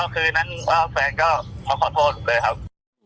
คืนนั้นแฟนก็มาขอโทษเลยครับ